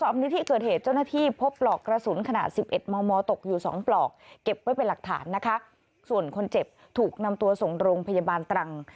มตกอยู่สองปลอกเก็บไว้เป็นหลักฐานนะคะส่วนคนเจ็บถูกนำตัวส่งโรงพยาบาลตรัง